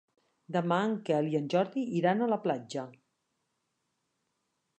Demà en Quel i en Jordi iran a la platja.